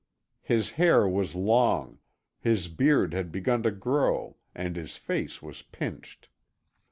His hair was long, his beard had begun to grow and his face was pinched.